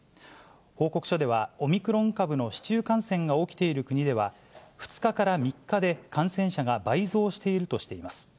報告書では、オミクロン株の市中感染が起きている国では、２日から３日で感染者が倍増しているとしています。